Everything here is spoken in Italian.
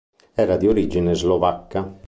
Era di origine slovacca.